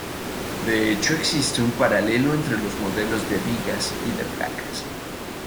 De hecho existe un paralelo entre los modelos de vigas y de placas.